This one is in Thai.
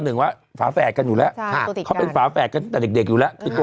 หรือว่าฝาแฝดกันอยู่แล้วเขาเป็นฝาแฝดกันตลอดอีกเด็กอยู่แล้ว